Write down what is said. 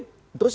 jadi ini dibikin